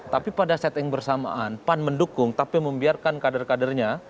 tapi pada setting bersamaan pan mendukung tapi membiarkan kader kadernya